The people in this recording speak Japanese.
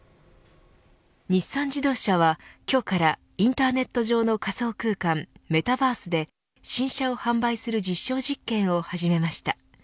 日産自動車は今日からインターネット上の仮想空間メタバースで新車を販売する実証実験を始めました。